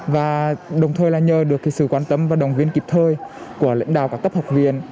và đồng thời là nhờ được sự quan tâm và đồng viên kịp thời của lãnh đạo các cấp học viên